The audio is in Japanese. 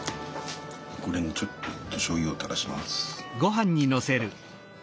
これにちょっとしょうゆをたらします。